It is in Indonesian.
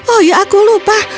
oh ya aku lupa